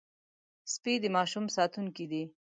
سپي د ماشوم ساتونکي دي.